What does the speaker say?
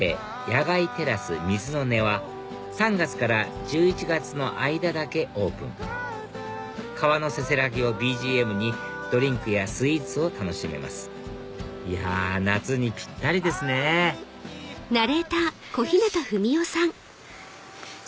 「野外テラス水の音」は３月から１１月の間だけオープン川のせせらぎをＢＧＭにドリンクやスイーツを楽しめますいや夏にぴったりですねよし！